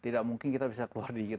tidak mungkin kita bisa keluar dari itu